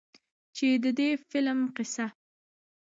چې د دې فلم قيصه